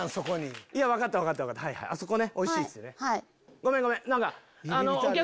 ごめんごめん！